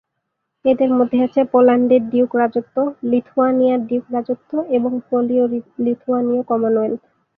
এদের মধ্যে আছে পোল্যান্ডের ডিউক রাজত্ব, লিথুয়ানিয়ার ডিউক রাজত্ব, এবং পোলীয়-লিথুয়ানীয় কমনওয়েলথ।